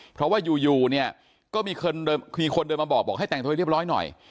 เพราะว่าอยู่อยู่เนี้ยก็มีคนเดินมีคนเดินมาบอกบอกให้แต่งโทษเรียบร้อยหน่อย